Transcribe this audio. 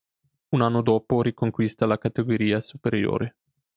Un anno dopo riconquista la categoria superiore.